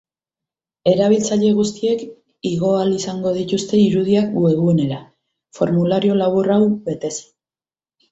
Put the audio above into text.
Erabiltzaile guztiek igo ahal izango dituzte irudiak webgunera, formulario labur hau betez.